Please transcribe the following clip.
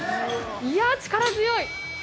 いや、力強い！